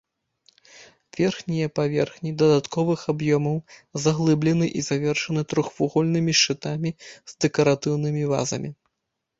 Верхнія паверхі дадатковых аб'ёмаў заглыблены і завершаны трохвугольнымі шчытамі з дэкаратыўнымі вазамі.